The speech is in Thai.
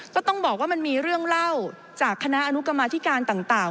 ก็ต้องบอกว่ามันมีเรื่องเล่าจากคณะอนุกรรมาธิการต่าง